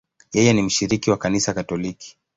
Yeye ni mshiriki wa Kanisa Katoliki.